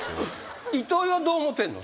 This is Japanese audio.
糸井はどう思ってんの？